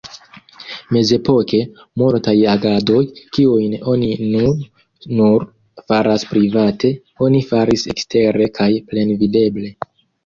Mezepoke, multaj agadoj, kiujn oni nun nur faras private, oni faris ekstere kaj plenvideble.